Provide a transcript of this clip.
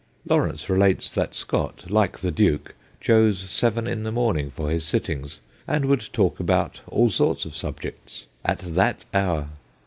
Lawrence relates that Scott like the Duke chose seven in the morning for his sittings, and would talk about all sorts of subjects at that hour